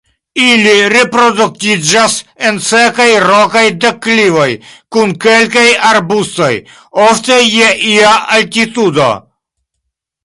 Ili reproduktiĝas en sekaj rokaj deklivoj kun kelkaj arbustoj, ofte je ia altitudo.